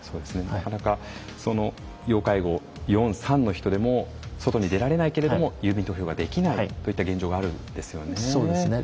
なかなか要介護４３の人でも外に出られないけれども郵便投票ができないといった現状があるんですよね。